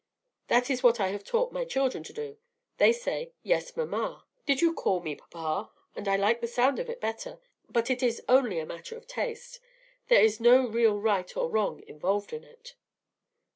That is what I have taught my children to do. They say, 'Yes, mamma;' 'Did you call me, papa?' I like the sound of it better; but it is only a matter of taste. There is no real right or wrong involved in it."